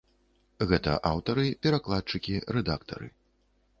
Гэта аўтары, перакладчыкі, рэдактары.